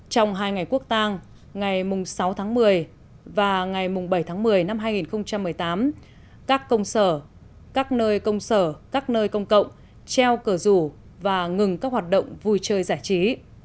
trong hai ngày quốc tang ngày sáu tháng một mươi và ngày bảy tháng một mươi năm hai nghìn một mươi tám các công sở các nơi công sở các nơi công cộng treo cờ rủ và ngừng các hoạt động vui chơi giải trí